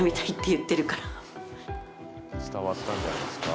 伝わったんじゃないですか？